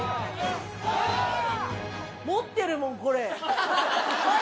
持ってるもん、これ。